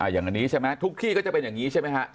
อย่างนี้ใช่ไหมทุกที่ก็จะเป็นอย่างนี้ใช่ไหมฮะ